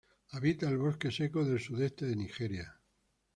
Habita el bosque seco del sudeste de Nigeria.